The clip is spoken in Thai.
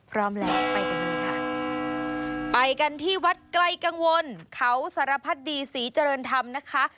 พร้อมแล้วไปกันเลยค่ะไปกันที่วัดไกลกังวลเขาสารพัดดีศรีเจริญธรรมนะคะ